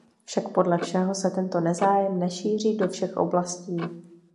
Však podle všeho se tento nezájem nešíří do všech oblastí.